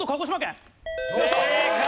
正解！